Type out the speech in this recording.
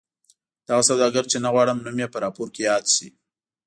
دغه سوداګر چې نه غواړي نوم یې په راپور کې یاد شي.